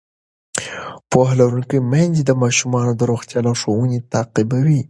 پوهه لرونکې میندې د ماشومانو د روغتیا لارښوونې تعقیبوي.